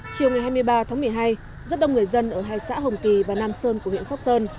chiều ngày hai mươi ba tháng một mươi hai rất đông người dân ở hai xã hồng kỳ và nam sơn của huyện sóc sơn